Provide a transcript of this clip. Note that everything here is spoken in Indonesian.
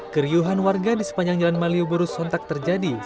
keriuhan warga di sepanjang jalan malioboro sontak terjadi